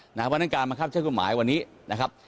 เพราะฉะนั้นการบังคับใช้กฎหมายวันนี้นะครับ